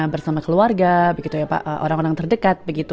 bersama keluarga orang orang terdekat begitu